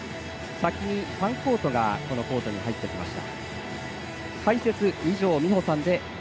先にファンコートがコートに入ってきました。